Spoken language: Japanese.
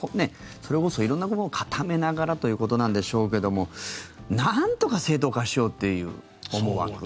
それこそ色んなことを固めながらということなんでしょうけどもなんとか正当化しようという思惑。